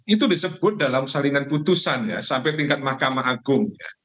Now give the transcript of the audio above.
itu disebut dalam salingan putusannya sampai tingkat mahkamah agung